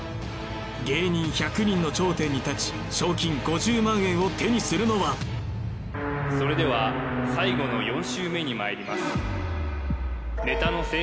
芸人１００人の頂点に立ち賞金５０万円を手にするのはそれでは最後の４周目にまいります